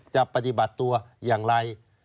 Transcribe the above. จะปฏิบัติตัวอย่างไร